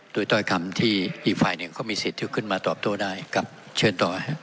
ต่อคำที่อีกฝ่ายหนึ่งเขามีสิทธิ์ที่ขึ้นมาตอบโทรได้ครับเชิญต่อครับ